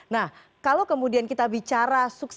nah kalau kemudian kita bicara